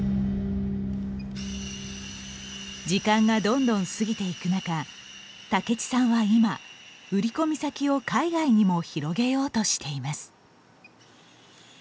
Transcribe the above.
時間がどんどん過ぎていく中武智さんは今、売り込み先を海外にも広げようとしています。